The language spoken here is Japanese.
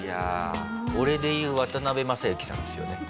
俺で言う渡辺正行さんですよね。